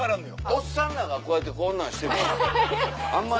おっさんらがこんなんしてもあんまり。